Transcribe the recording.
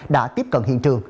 đã tiếp cận hiện trường